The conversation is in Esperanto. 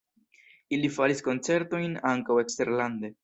Ili faris koncertojn ankaŭ eksterlande.